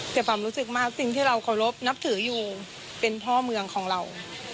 แต่ความรู้สึกมากสิ่งที่เราเคารพนับถืออยู่เป็นพ่อเมืองของเรา